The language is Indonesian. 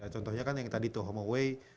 contohnya kan yang tadi itu homeaway